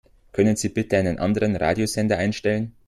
Können Sie bitte einen anderen Radiosender einstellen?